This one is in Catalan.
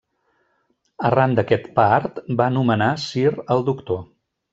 Arran d'aquest part, va nomenar Sir al doctor.